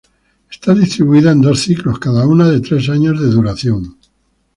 Está distribuida en dos ciclos, cada uno de tres años de duración.